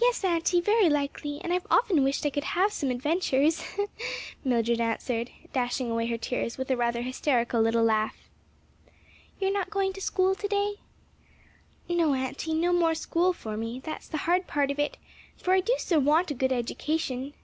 "Yes, auntie, very likely; and I've often wished I could have some adventures!" Mildred answered, dashing away her tears with a rather hysterical little laugh. "You're not going to school to day?" "No, auntie, no more school for me: that's the hard part of it, for I do so want a good education."